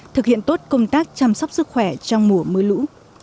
thực hiện tốt công tác chăm sóc sức khỏe trong mùa mưa lũ